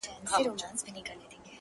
زه به د څو شېبو لپاره نور!!